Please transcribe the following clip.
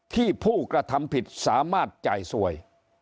ผู้กระทำผิดสามารถจ่ายสวย